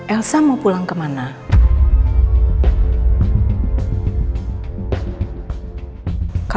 eav mau pulang ke mana